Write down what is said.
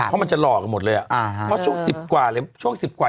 เพราะมันจะหลอกกันหมดเลยอ่ะอ่าฮะเพราะช่วง๑๐กว่าหรือช่วงสิบกว่า